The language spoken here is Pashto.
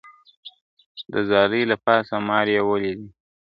د ځالۍ له پاسه مار یې وولیدلی !.